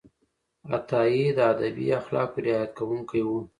عطایي د ادبي اخلاقو رعایت کوونکی و.